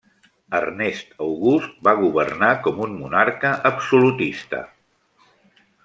Ernest August va governar com un monarca absolutista.